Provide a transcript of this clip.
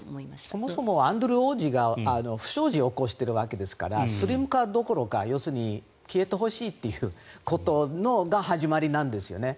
そもそもアンドリュー王子が不祥事を起こしているわけですからスリム化どころか消えてほしいということが始まりなんですよね。